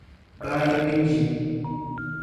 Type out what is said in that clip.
Baependi